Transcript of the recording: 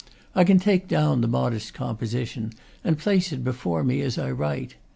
I can take down the modest composition, and place it before me as I write.